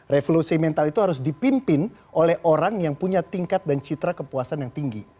revolusi mental itu harus dipimpin oleh orang yang punya tingkat dan citra kepuasan yang tinggi